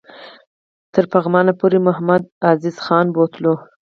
تر پغمان پوري محمدعزیز خان بوتلو.